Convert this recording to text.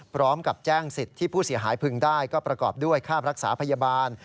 พร้อมกับแจ้งสิทธิ์ที่ผู้เสียหายพึงได้ก็ประกอบด้วยค่ารักษาพยาบาล